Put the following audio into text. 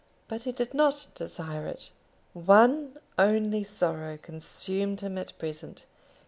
But he did not desire it. One only sorrow consumed him at present.